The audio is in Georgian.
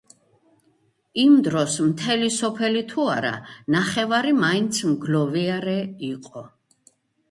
იმ დროს მთელი სოფელი თუ არა, ნახევარი მაინც მგლოვიარე იყო.